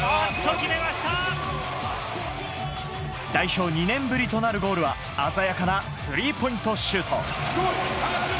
代表２年ぶりとなるゴールは鮮やかなスリーポイントシュート。